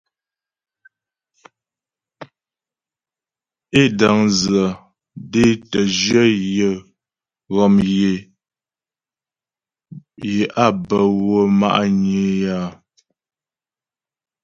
É dəŋdzə dé tə́ jyə̂ yə ghom yé á bə wə́ ma'nyə é áa.